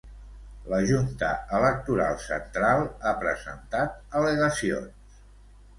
La Junta Electoral Central ha presentat al·legacions.